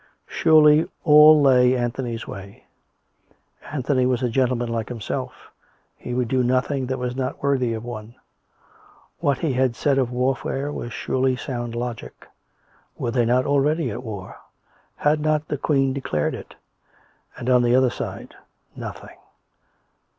Surely all lay Anthony's way: Anthony was a gentleman like himself; he would do nothing that was not worthy of one. ... What he had said of warfare was surely sound logic. Were they not already at war ? Had not the Queen declared it? And on the other side — nothing.